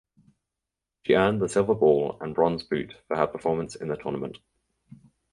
She earned the Silver Ball and Bronze Boot for her performance in the tournament.